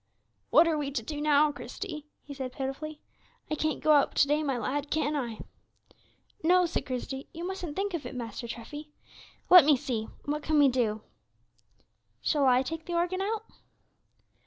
"What are we to do, now, Christie?" he said, pitifully; "I can't go out to day, my lad, can I?" "No," said Christie, "you mustn't think of it, Master Treffy. Let me see, what can we do? Shall I take the organ out?"